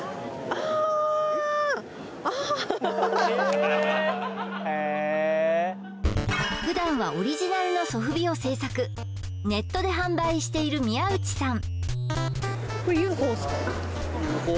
ああへえふだんはオリジナルのソフビを制作ネットで販売している宮内さん